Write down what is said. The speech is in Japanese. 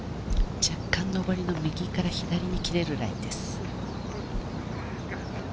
若干上りの右から左に切れるラインです。